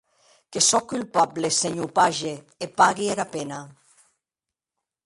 Que sò estat colpable, senhor Page; e pagui era pena.